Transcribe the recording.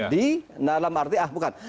di dalam arti ah bukan